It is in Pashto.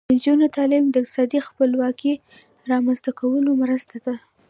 د نجونو تعلیم د اقتصادي خپلواکۍ رامنځته کولو مرسته ده.